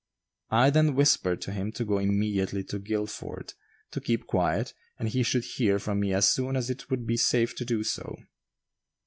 I then whispered to him to go immediately to Guilford, to keep quiet, and he should hear from me as soon as it would be safe to do so.